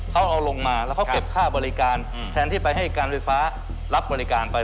เขาเอาลงมาแล้วเขาเก็บค่าบริการแทนที่ไปให้การไฟฟ้ารับบริการไป